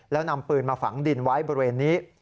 แล้วนำปืนมาฝังดินไว้บริเวณนี้